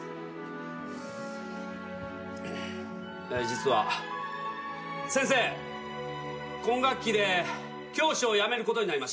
実は先生今学期で教師を辞めることになりました。